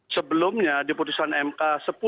sebelumnya di putusan mk sepuluh dua ribu delapan